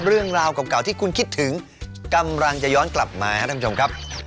เรื่องราวเก่าที่คุณคิดถึงกำลังจะย้อนกลับมาครับท่านผู้ชมครับ